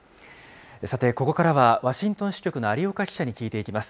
さて、ここからはワシントン支局の有岡記者に聞いていきます。